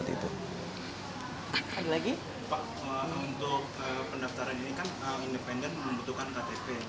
nanti apakah dalam setiap lampiran dukungan ktp itu akan memerlukan materai